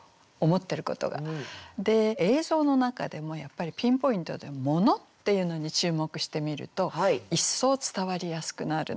で映像の中でもやっぱりピンポイントで「物」っていうのに注目してみると一層伝わりやすくなるのです。